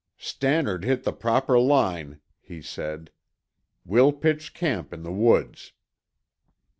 "Stannard hit the proper line," he said. "We'll pitch camp in the woods."